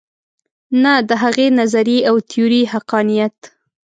نه د هغې نظریې او تیورۍ حقانیت.